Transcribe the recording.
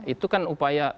itu kan upaya